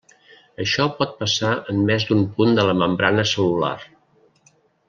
Això pot passar en més d'un punt de la membrana cel·lular.